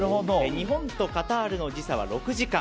日本とカタールの時差は６時間。